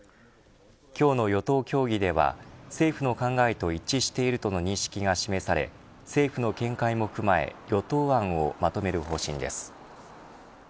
今日の与党協議では政府の考えと一致しているとの認識が示され政府の見解も踏まえ与党案をまとめる方針です。